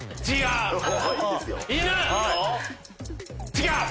違う！